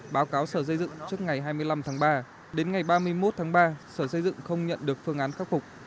báo cáo sở xây dựng trước ngày hai mươi năm tháng ba đến ngày ba mươi một tháng ba sở xây dựng không nhận được phương án khắc phục